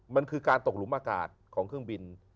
มันคือการตกหลุมอากาศของเครื่องบิน